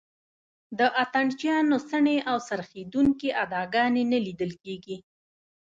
د اتڼ چیانو څڼې او څرخېدونکې اداګانې نه لیدل کېږي.